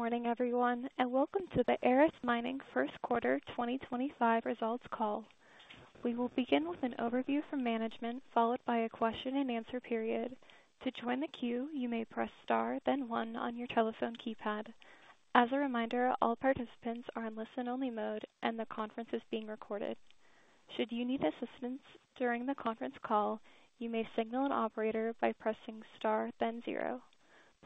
Good morning, everyone, and welcome to the Aris Mining First Quarter 2025 results call. We will begin with an overview from management, followed by a question-and-answer period. To join the queue, you may press star, then one, on your telephone keypad. As a reminder, all participants are in listen-only mode, and the conference is being recorded. Should you need assistance during the conference call, you may signal an operator by pressing star, then zero.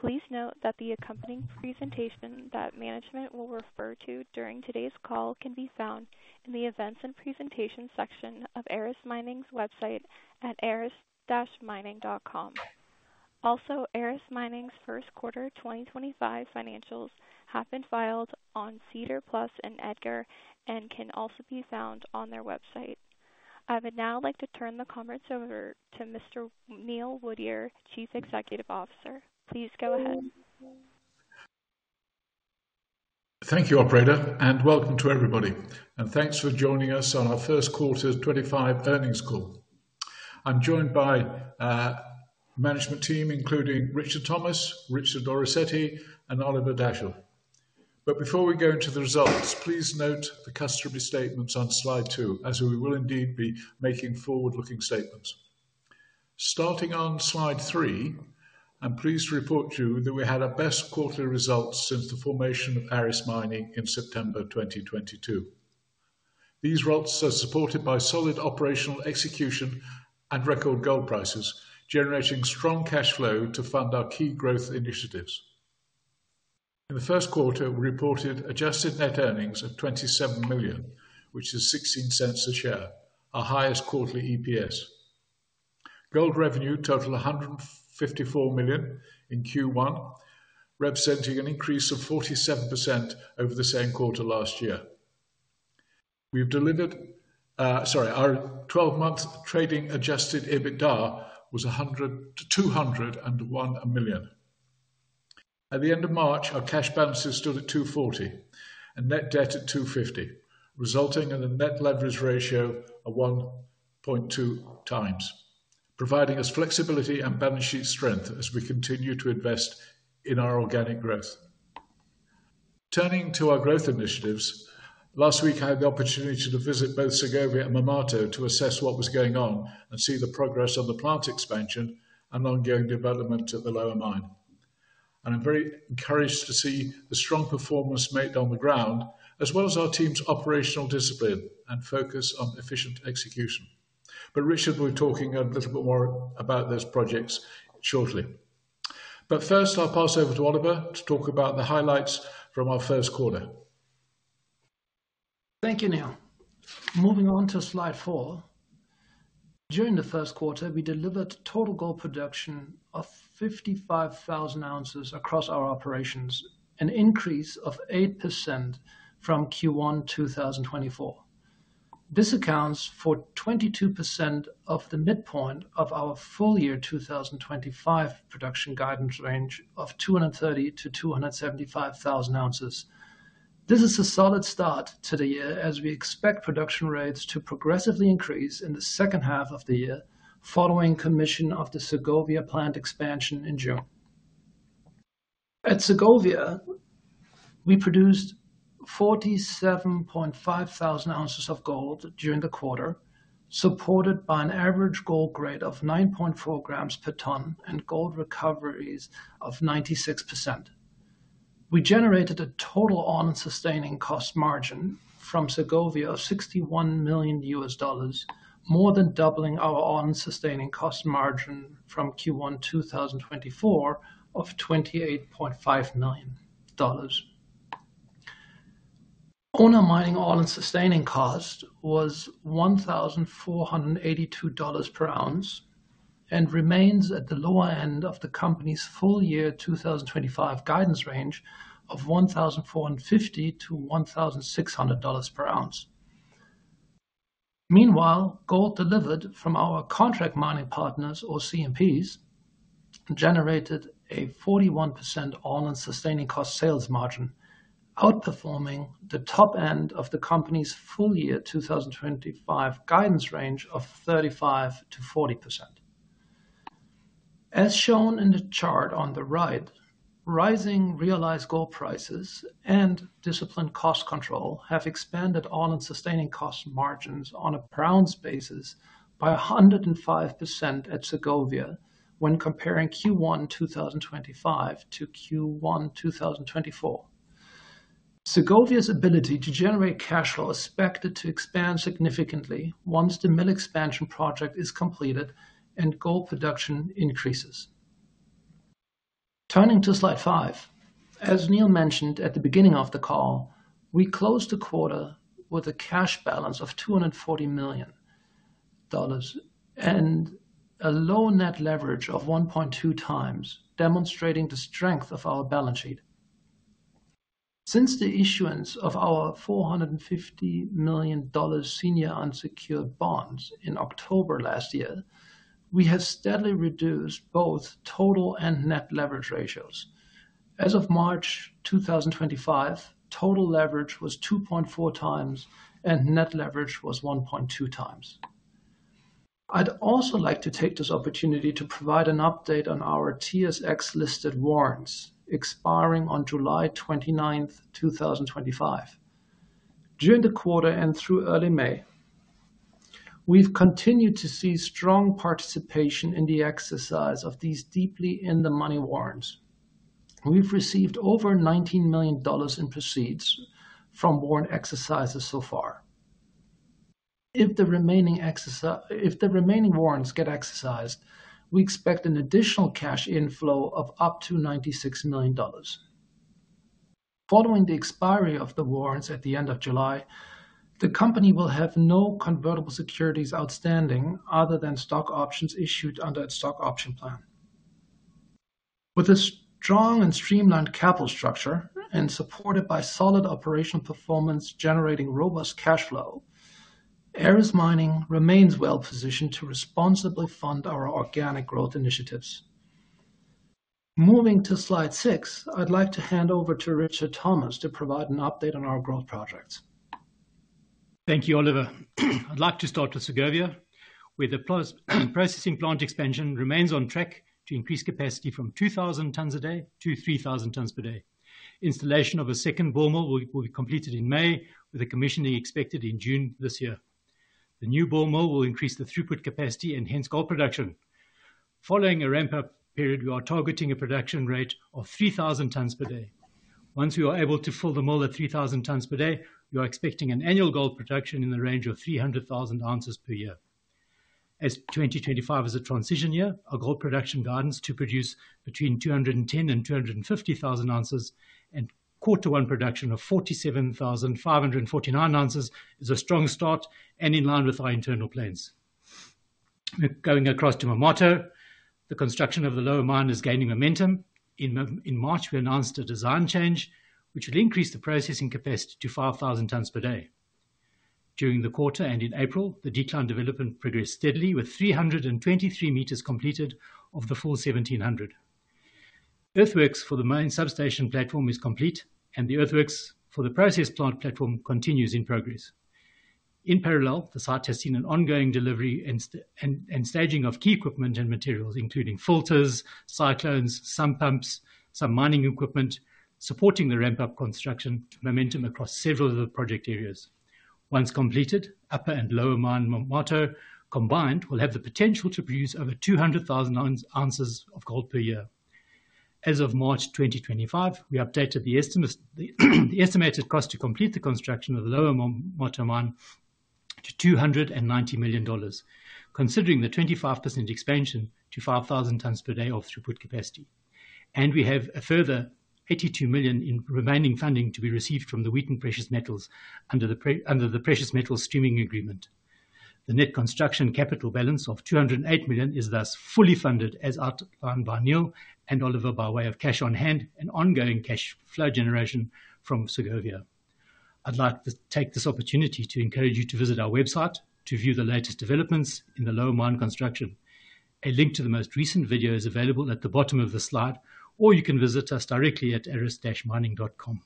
Please note that the accompanying presentation that management will refer to during today's call can be found in the Events and Presentations section of Aris Mining's website at aris-mining.com. Also, Aris Mining's First Quarter 2025 financials have been filed on SEDAR+ and EDGAR and can also be found on their website. I would now like to turn the conference over to Mr. Neil Woodyer, Chief Executive Officer. Please go ahead. Thank you, Operator, and welcome to everybody, and thanks for joining us on our First Quarter 2025 earnings call. I'm joined by management team, including Richard Thomas, Richard Orazietti, and Oliver Dachsel. Before we go into the results, please note the customary statements on slide two, as we will indeed be making forward-looking statements. Starting on slide three, I'm pleased to report to you that we had our best quarterly results since the formation of Aris Mining in September 2022. These results are supported by solid operational execution and record gold prices, generating strong cash flow to fund our key growth initiatives. In the first quarter, we reported adjusted net earnings of $27 million, which is $0.16 a share, our highest quarterly EPS. Gold revenue totaled $154 million in Q1, representing an increase of 47% over the same quarter last year. We've delivered—sorry, our 12-month trading Adjusted EBITDA was $201 million. At the end of March, our cash balances stood at $240 million and net debt at $250 million, resulting in a net leverage ratio of 1.2x, providing us flexibility and balance sheet strength as we continue to invest in our organic growth. Turning to our growth initiatives, last week I had the opportunity to visit both Segovia and Marmato to assess what was going on and see the progress on the plant expansion and ongoing development at the Lower Mine. I'm very encouraged to see the strong performance made on the ground, as well as our team's operational discipline and focus on efficient execution. Richard will be talking a little bit more about those projects shortly. First, I'll pass over to Oliver to talk about the highlights from our first quarter. Thank you, Neil. Moving on to slide four. During the first quarter, we delivered total gold production of 55,000 oz across our operations, an increase of 8% from Q1 2024. This accounts for 22% of the midpoint of our full year 2025 production guidance range of 230,000-275,000 oz. This is a solid start to the year, as we expect production rates to progressively increase in the second half of the year following commission of the Segovia plant expansion in June. At Segovia, we produced 47,500 ounces of gold during the quarter, supported by an average gold grade of 9.4 g per ton and gold recoveries of 96%. We generated a total all-in sustaining cost margin from Segovia of $61 million, more than doubling our all-in sustaining cost margin from Q1 2024 of $28.5 million. Owner mining on and sustaining cost was $1,482 per oz and remains at the lower end of the company's full year 2025 guidance range of $1,450-$1,600 per oz. Meanwhile, gold delivered from our contract mining partners, or CMPs, generated a 41% on and sustaining cost sales margin, outperforming the top end of the company's full year 2025 guidance range of 35%-40%. As shown in the chart on the right, rising realized gold prices and disciplined cost control have expanded on and sustaining cost margins on a per ounce basis by 105% at Segovia when comparing Q1 2025 to Q1 2024. Segovia's ability to generate cash flow is expected to expand significantly once the mill expansion project is completed and gold production increases. Turning to slide five, as Neil mentioned at the beginning of the call, we closed the quarter with a cash balance of $240 million and a low net leverage of 1.2x, demonstrating the strength of our balance sheet. Since the issuance of our $450 million senior unsecured bonds in October last year, we have steadily reduced both total and net leverage ratios. As of March 2025, total leverage was 2.4x and net leverage was 1.2x. I'd also like to take this opportunity to provide an update on our TSX-listed warrants expiring on July 29th, 2025. During the quarter and through early May, we've continued to see strong participation in the exercise of these deeply in-the-money warrants. We've received over $19 million in proceeds from warrant exercises so far. If the remaining warrants get exercised, we expect an additional cash inflow of up to $96 million. Following the expiry of the warrants at the end of July, the company will have no convertible securities outstanding other than stock options issued under its stock option plan. With a strong and streamlined capital structure and supported by solid operational performance generating robust cash flow, Aris Mining remains well positioned to responsibly fund our organic growth initiatives. Moving to slide six, I'd like to hand over to Richard Thomas to provide an update on our growth projects. Thank you, Oliver. I'd like to start with Segovia. With the processing plant expansion, remains on track to increase capacity from 2,000 tons a day to 3,000 tons per day. Installation of a second ball mill will be completed in May, with the commissioning expected in June this year. The new ball mill will increase the throughput capacity and hence gold production. Following a ramp-up period, we are targeting a production rate of 3,000 tons per day. Once we are able to fill the mill at 3,000 tons per day, we are expecting an annual gold production in the range of 300,000 oz per year. As 2025 is a transition year, our gold production guidance to produce between 210,000 and 250,000 oz and quarter one production of 47,549 oz is a strong start and in line with our internal plans. Going across to Marmato, the construction of the Lower Mine is gaining momentum. In March, we announced a design change, which will increase the processing capacity to 5,000 tons per day. During the quarter and in April, the decline development progressed steadily with 323 m completed of the full 1,700. Earthworks for the main substation platform is complete, and the earthworks for the process plant platform continues in progress. In parallel, the site has seen an ongoing delivery and staging of key equipment and materials, including filters, cyclones, sump pumps, some mining equipment, supporting the ramp-up construction to momentum across several of the project areas. Once completed, Upper and Lower Mine Marmato combined will have the potential to produce over 200,000 oz of gold per year. As of March 2025, we updated the estimated cost to complete the construction of the Lower Marmato Mine to $290 million, considering the 25% expansion to 5,000 tons per day of throughput capacity. We have a further $82 million in remaining funding to be received from Wheaton Precious Metals under the Precious Metals Streaming Agreement. The net construction capital balance of $208 million is thus fully funded, as outlined by Neil and Oliver by way of cash on hand and ongoing cash flow generation from Segovia. I'd like to take this opportunity to encourage you to visit our website to view the latest developments in the Lower Mine construction. A link to the most recent video is available at the bottom of the slide, or you can visit us directly at aris-mining.com.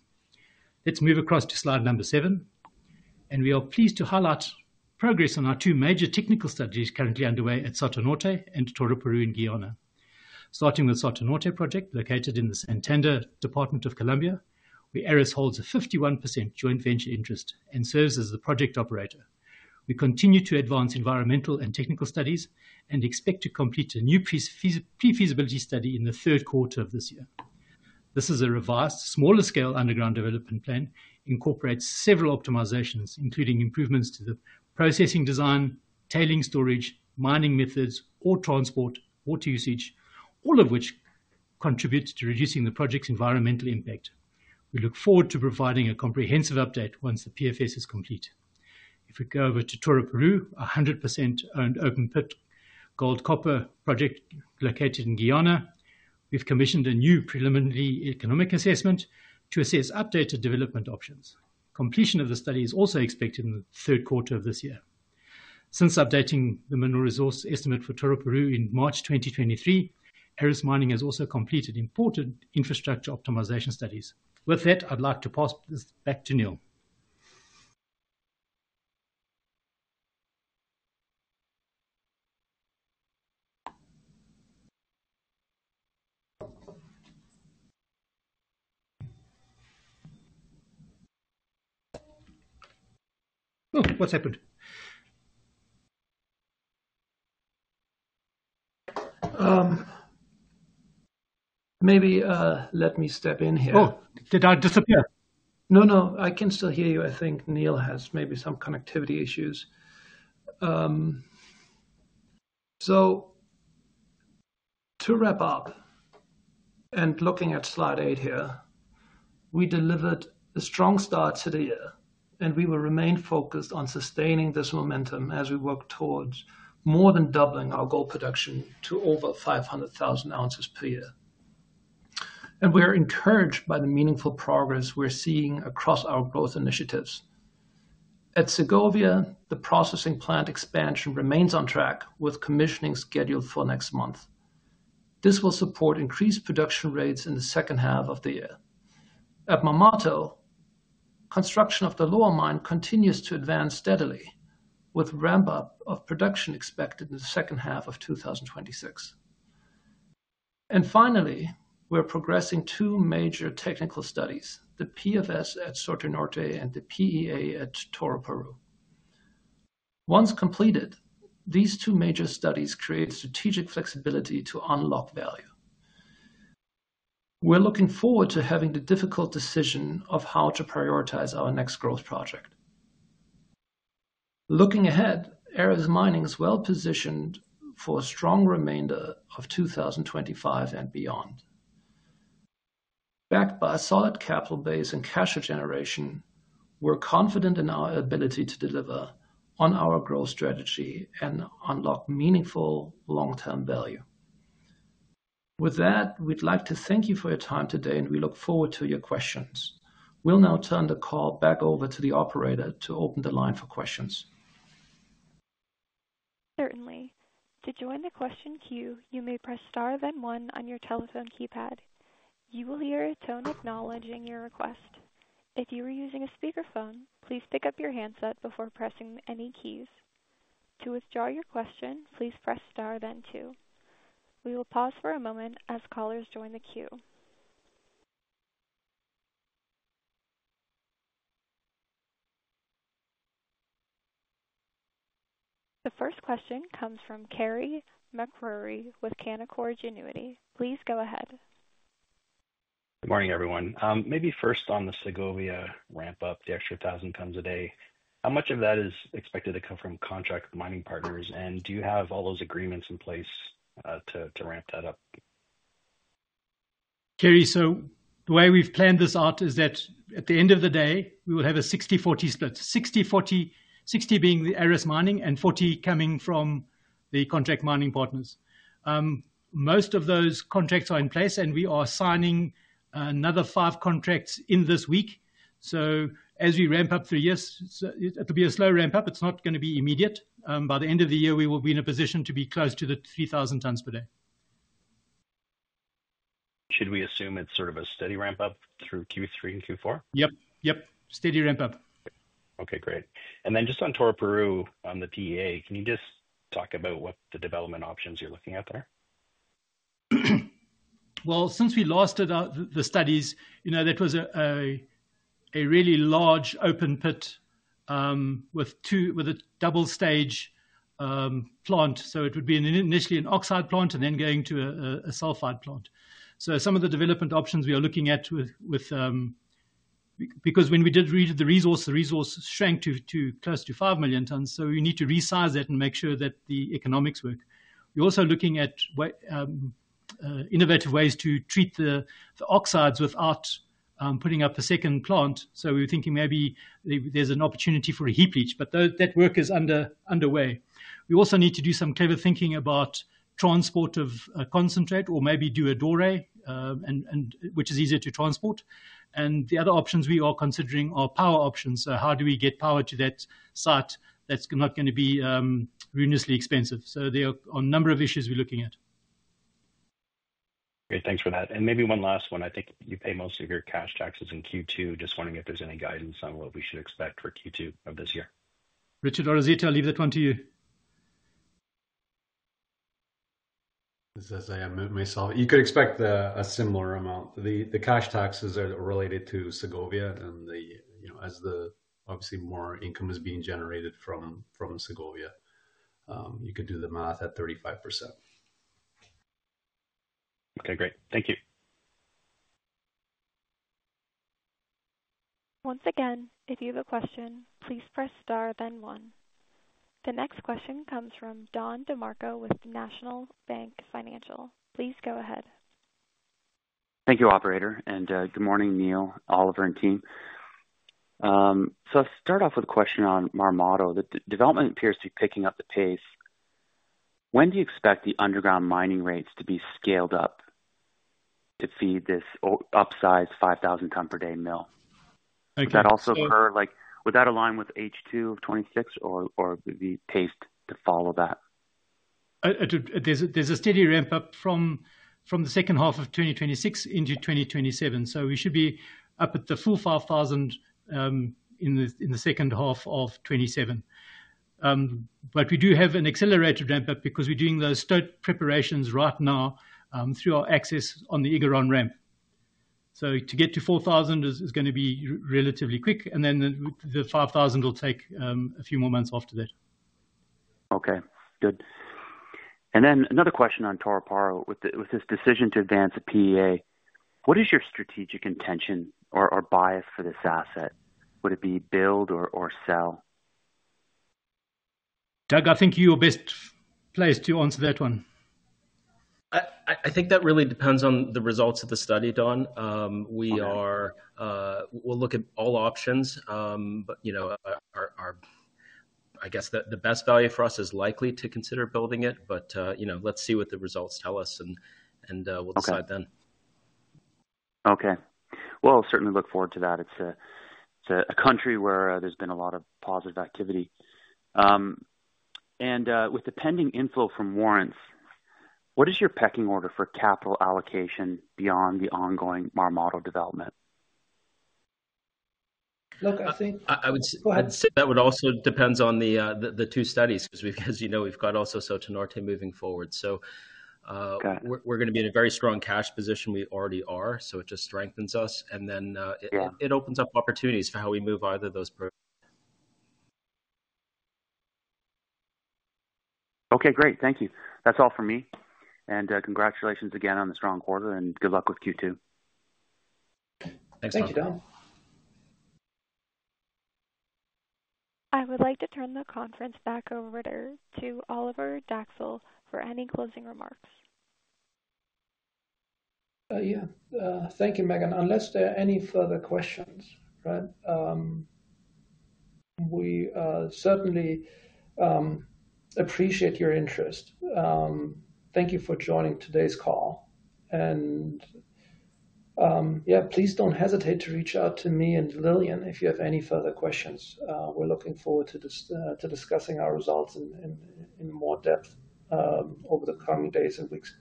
Let's move across to slide number seven, and we are pleased to highlight progress on our two major technical studies currently underway at Soto Norte and Toroparu in Guyana. Starting with the Soto Norte project located in the Santander Department of Colombia, where Aris holds a 51% joint venture interest and serves as the project operator. We continue to advance environmental and technical studies and expect to complete a new pre-feasibility study in the third quarter of this year. This is a revised, smaller-scale underground development plan that incorporates several optimizations, including improvements to the processing design, tailings storage, mining methods, or transport water usage, all of which contribute to reducing the project's environmental impact. We look forward to providing a comprehensive update once the PFS is complete. If we go over to Toroparu, a 100% owned open-pit gold copper project located in Guyana, we've commissioned a new preliminary economic assessment to assess updated development options. Completion of the study is also expected in the third quarter of this year. Since updating the mineral resource estimate for Toroparu in March 2023, Aris Mining has also completed important infrastructure optimization studies. With that, I'd like to pass this back to Neil. Oh, what's happened? Maybe let me step in here. Oh, did I disappear? No, no, I can still hear you. I think Neil has maybe some connectivity issues. To wrap up and looking at slide eight here, we delivered a strong start to the year, and we will remain focused on sustaining this momentum as we work towards more than doubling our gold production to over 500,000 oz per year. We are encouraged by the meaningful progress we are seeing across our growth initiatives. At Segovia, the processing plant expansion remains on track with commissioning scheduled for next month. This will support increased production rates in the second half of the year. At Marmato, construction of the Lower Mine continues to advance steadily, with a ramp-up of production expected in the second half of 2026. Finally, we are progressing two major technical studies: the PFS at Soto Norte and the PEA at Toroparu. Once completed, these two major studies create strategic flexibility to unlock value. We're looking forward to having the difficult decision of how to prioritize our next growth project. Looking ahead, Aris Mining is well positioned for a strong remainder of 2025 and beyond. Backed by a solid capital base and cash generation, we're confident in our ability to deliver on our growth strategy and unlock meaningful long-term value. With that, we'd like to thank you for your time today, and we look forward to your questions. We'll now turn the call back over to the operator to open the line for questions. Certainly. To join the question queue, you may press star, then one on your telephone keypad. You will hear a tone acknowledging your request. If you are using a speakerphone, please pick up your handset before pressing any keys. To withdraw your question, please press star, then two. We will pause for a moment as callers join the queue. The first question comes from Carey MacRury with Canaccord Genuity. Please go ahead. Good morning, everyone. Maybe first on the Segovia ramp-up, the extra 1,000 tons a day, how much of that is expected to come from contract mining partners, and do you have all those agreements in place to ramp that up? Carey, so the way we've planned this out is that at the end of the day, we will have a 60/40 split, 60/40, 60 being the Aris Mining and 40 coming from the contract mining partners. Most of those contracts are in place, and we are signing another five contracts in this week. As we ramp up through the years, it'll be a slow ramp-up. It's not going to be immediate. By the end of the year, we will be in a position to be close to the 3,000 tons per day. Should we assume it's sort of a steady ramp-up through Q3 and Q4? Yep, yep, steady ramp-up. Okay, great. And then just on Toroparu, on the PEA, can you just talk about what the development options you're looking at there? Since we last did the studies, you know, that was a really large open pit with a double-stage plant. It would be initially an oxide plant and then going to a sulfide plant. Some of the development options we are looking at, because when we did read the resource, the resource shrank to close to 5 million tons, so we need to resize that and make sure that the economics work. We are also looking at innovative ways to treat the oxides without putting up a second plant. We are thinking maybe there is an opportunity for a heap leach, but that work is underway. We also need to do some clever thinking about transport of concentrate or maybe do a doré, which is easier to transport. The other options we are considering are power options. How do we get power to that site that's not going to be ridiculously expensive? There are a number of issues we're looking at. Great, thanks for that. Maybe one last one. I think you pay most of your cash taxes in Q2. Just wondering if there's any guidance on what we should expect for Q2 of this year. Richard Orazietti, I'll leave that one to you. This is as I am myself. You could expect a similar amount. The cash taxes are related to Segovia and the, you know, as the obviously more income is being generated from Segovia, you could do the math at 35%. Okay, great. Thank you. Once again, if you have a question, please press star, then one. The next question comes from Don DeMarco with National Bank Financial. Please go ahead. Thank you, operator. Good morning, Neil, Oliver, and team. I'll start off with a question on Marmato. The development appears to be picking up the pace. When do you expect the underground mining rates to be scaled up to feed this upsized 5,000-ton-per-day mill? Okay. Would that also occur? Like, would that align with H2 of 2026 or would it be paced to follow that? There's a steady ramp-up from the second half of 2026 into 2027. We should be up at the full 5,000 in the second half of 2027. We do have an accelerated ramp-up because we're doing those state preparations right now through our access on the Igaron ramp. To get to 4,000 is going to be relatively quick, and then the 5,000 will take a few more months after that. Okay, good. Another question on Toroparu, with this decision to advance the PEA. What is your strategic intention or bias for this asset? Would it be build or sell? Doug, I think you're best placed to answer that one. I think that really depends on the results of the study, Don. We'll look at all options, but, you know, I guess the best value for us is likely to consider building it, but, you know, let's see what the results tell us and we'll decide then. Okay. Certainly look forward to that. It's a country where there's been a lot of positive activity. With the pending inflow from warrants, what is your pecking order for capital allocation beyond the ongoing Marmato development? Look, I think I would say that would also depend on the two studies because, as you know, we've got also Soto Norte moving forward. We are going to be in a very strong cash position, we already are, so it just strengthens us. It opens up opportunities for how we move either of those programs. Okay, great. Thank you. That is all from me. Congratulations again on the strong quarter and good luck with Q2. Thanks, Don. I would like to turn the conference back over to Oliver Dachsel for any closing remarks. Yeah, thank you, Megan. Unless there are any further questions, we certainly appreciate your interest. Thank you for joining today's call. Yeah, please do not hesitate to reach out to me and Lillian if you have any further questions. We are looking forward to discussing our results in more depth over the coming days and weeks.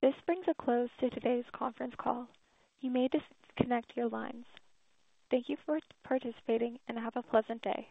This brings a close to today's conference call. You may disconnect your lines. Thank you for participating and have a pleasant day.